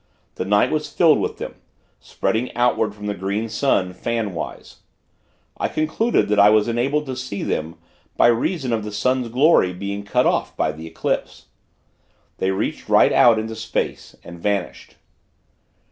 The night was filled with them spreading outward from the Green Sun, fan wise. I concluded that I was enabled to see them, by reason of the Sun's glory being cut off by the eclipse. They reached right out into space, and vanished.